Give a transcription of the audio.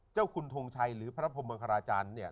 เจ้าคุณทงชัยหรือพระพรหมังคาราจารย์